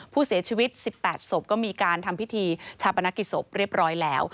ผู้เสียชีวิต๑๘ศพก็มีการทำพิธีชาปนกิจศพเรียบร้อยแล้ว